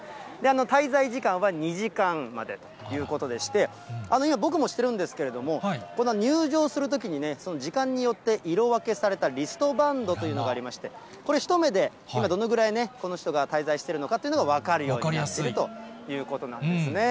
滞在時間は２時間までということでして、今、僕もしてるんですけど、この入場するときにね、その時間によって色分けされたリストバンドというのがありまして、これ一目で、今どのぐらい、この人が滞在しているのかというのが、分かるようになっているということなんですね。